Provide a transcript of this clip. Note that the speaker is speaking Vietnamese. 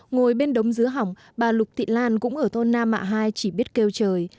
ngồi bên đống dứa hỏng bà lục thị lan cũng ở thôn nam mạ hai chỉ biết kêu trời